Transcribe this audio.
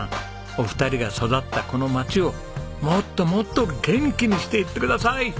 お二人が育ったこの町をもっともっと元気にしていってください！